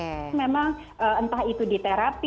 jadi memang entah itu di terapi